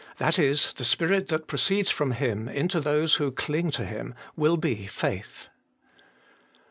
That is, the Spirit that oroeeeds from Him into those who cling to Him, will be faith, 5.